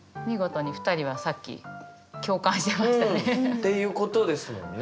っていうことですもんね。